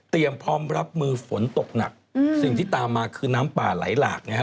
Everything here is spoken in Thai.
เตรียมพร้อมรับมือฝนตกหนักสิ่งที่ตามมาคือน้ำป่าไหลหลากเนี่ยฮะ